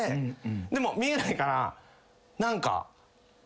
でも見えないから何か。